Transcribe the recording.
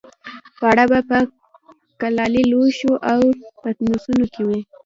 خواړه به په کلالي لوښو او پتنوسونو کې وو.